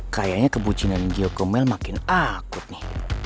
kayanya kebucingan gio ke mel makin akut nih